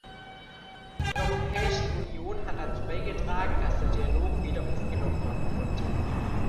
Die Europäische Union hat dazu beigetragen, dass der Dialog wieder aufgenommen werden konnte.